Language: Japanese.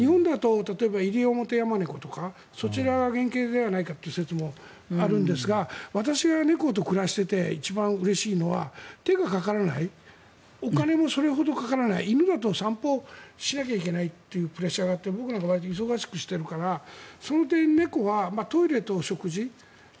日本ではイリオモテヤマネコが原形だという話がありますが私が猫と暮らしていてうれしいのは手がかからないお金もそれほどかからない犬だと散歩しなければいけないプレッシャーがあって僕は忙しくしているからその点、猫はトイレと食事